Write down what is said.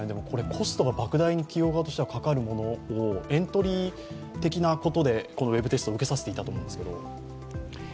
コストがばく大に企業的にはかかるものをエントリー的なことでウェブテストを受けさせていたと思うんですけど。